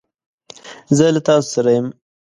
زه له تاسو سره یم.